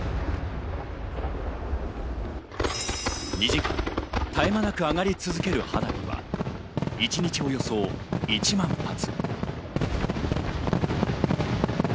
２時間、絶え間なく上がり続ける花火は一日およそ１万発。